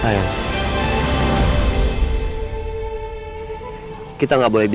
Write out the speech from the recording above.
ayo kita pergi dari sini